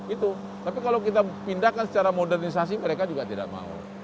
itu tapi kalau kita pindahkan secara modernisasi mereka juga tidak mau